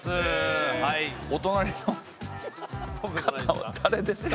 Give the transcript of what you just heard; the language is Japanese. お隣の方は誰ですか？